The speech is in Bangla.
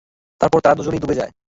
তারপর তারা দুজনই ডুবে যায়।